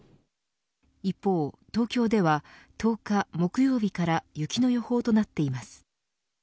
一方、東京では１０日木曜日から雪の予報となっています。